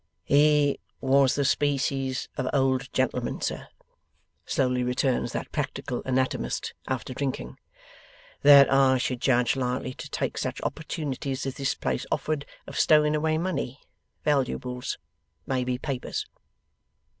'He was the species of old gentleman, sir,' slowly returns that practical anatomist, after drinking, 'that I should judge likely to take such opportunities as this place offered, of stowing away money, valuables, maybe papers.